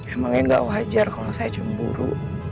emangin gak wajar kalau saya cemburu